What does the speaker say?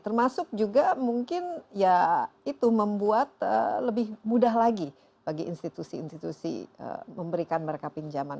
termasuk juga mungkin ya itu membuat lebih mudah lagi bagi institusi institusi memberikan mereka pinjaman